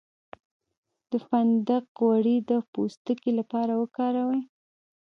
د فندق غوړي د پوستکي لپاره وکاروئ